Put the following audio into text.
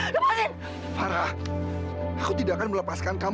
sampai jumpa di video selanjutnya